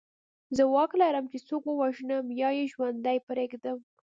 زه واک لرم چې څوک ووژنم یا یې ژوندی پرېږدم